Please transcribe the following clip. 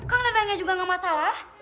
kang dedannya juga gak masalah